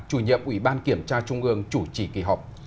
chủ nhiệm ủy ban kiểm tra trung ương chủ trì kỳ họp